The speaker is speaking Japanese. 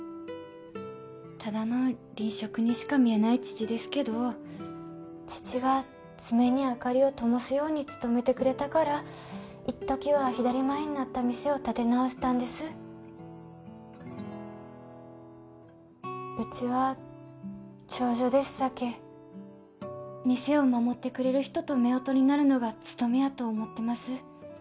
ただの吝嗇にしか見えない父ですけど父が爪に明かりをともすように勤めてくれたからいっときは左前になった店を立て直せたんですうちは長女ですさけ店を守ってくれる人と夫婦になるのが務めやと思ってます